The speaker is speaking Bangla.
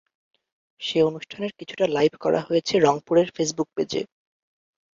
সে অনুষ্ঠানের কিছুটা লাইভ করা হয়েছে রংপুরের ফেসবুক পেজে।